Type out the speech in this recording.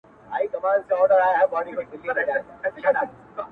• لاره د خیبر, د پښتنو د تلو راتللو ده,